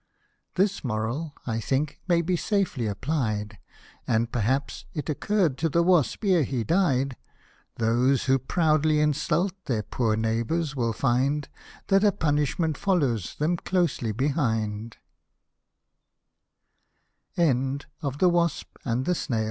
This moral, I think, may be safely applied, And perhaps it occurr'd to the wasp 'ere he died ; Those who proudly insult their poor neighbours will find That a punishment follows them close